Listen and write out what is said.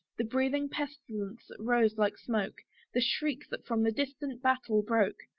The breathing pestilence that rose like smoke! The shriek that from the distant battle broke!